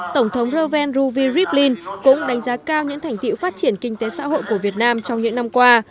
tổng thống roven ruvi rivlin cũng đánh giá cao những thành tiệu phát triển kinh tế xã hội của việt nam trong những năm qua